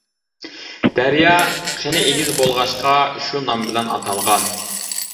دەريا قىنى ئېگىز بولغاچقا شۇ نام بىلەن ئاتالغان.